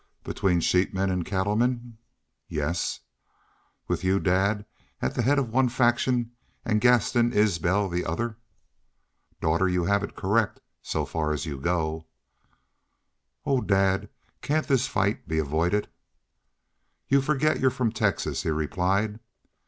"Between sheepmen and cattlemen?" "Yes." "With y'u, dad, at the haid of one faction and Gaston Isbel the other?" "Daughter, you have it correct, so far as you go." "Oh! ... Dad, can't this fight be avoided?" "You forget you're from Texas," he replied.